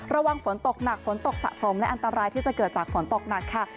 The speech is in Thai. ระวังฝนตกหนักฝนตกสะสมและอันตรายที่จะเกิดจากฝนตกหนักค่ะ